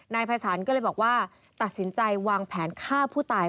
นายภัยศาลก็เลยบอกว่าตัดสินใจวางแผนฆ่าผู้ตาย